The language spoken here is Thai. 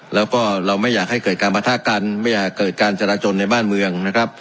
แล้วก็เราไม่อยากให้เกิดการประทะกันไม่อยากเกิดการจราจนในบ้านเมืองนะครับ